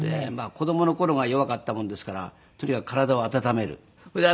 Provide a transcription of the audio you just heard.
子供の頃が弱かったもんですからとにかく体を温める。